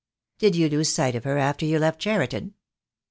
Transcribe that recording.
"Did you lose sight of her after you left Cheriton?"